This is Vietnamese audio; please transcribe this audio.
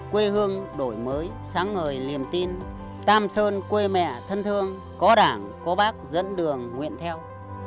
quê hương đổi mới sáng ngời liềm tin tam sơn quê mẹ thân thương có đảng có bác dẫn đường nguyện theo